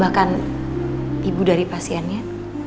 bahkan ibu dari pasiennya